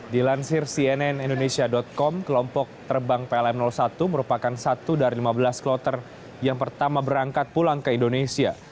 dilansir cnn indonesia com kelompok terbang plm satu merupakan satu dari lima belas kloter yang pertama berangkat pulang ke indonesia